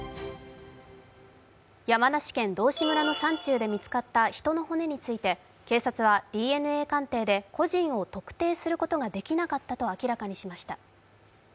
山梨県道志村の山中で見つかった人の骨について警察は、ＤＮＡ鑑定で個人を特定することができなかったと明らかにしました。